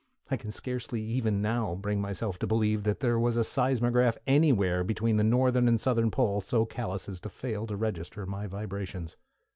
I can scarcely even now bring myself to believe that there was a seismograph anywhere between the northern and southern poles so callous as to fail to register my vibrations.